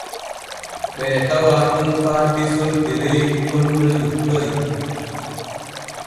Ɓee tawaa ɗon faa desol ɗereeji ponnol yontori.